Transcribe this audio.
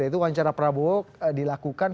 yaitu wawancara prabowo dilakukan